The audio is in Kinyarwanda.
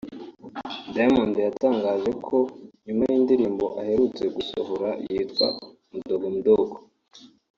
Diamond yatangaje ko nyuma y’indirimbo aherutse gusohora yitwa Mdogo Mdogo